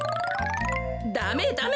ダメダメ。